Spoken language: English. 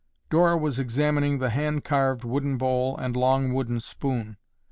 Dora was examining the hand carved wooden bowl and long wooden spoon.